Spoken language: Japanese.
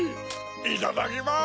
いただきます！